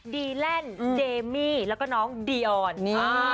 ดีแหล่นเจมมี่แล้วก็น้องดีออน